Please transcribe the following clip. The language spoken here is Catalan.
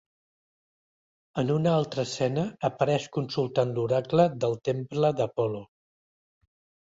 En una altra escena apareix consultant l'Oracle del temple d'Apol·lo.